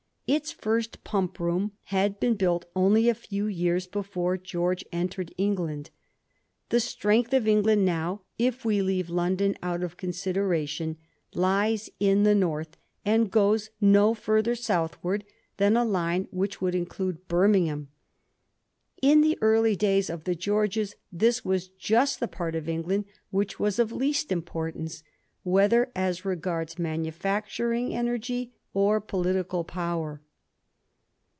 Its first pump room had been buUt only a few years before George entered England. The strength of England now, if we leave London out of consideration, lies in the north, and goes no further southward than a line which would include Birmingham. In the early days of the Georges this was just the part of England which was of least importance, whether as regards manufacturing energy or political power.